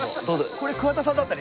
これ桑田さんだったね